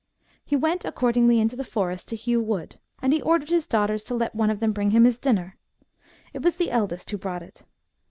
" He went accordingly into the forest to hew wood, and he ordered his daughters to let»one of them bring him his dinner. It was the eldest who brought it.